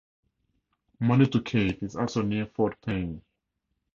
Manitou Cave is also near Fort Payne.